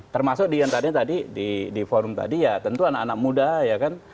termasuk di yang tadi tadi di forum tadi ya tentu anak anak muda ya kan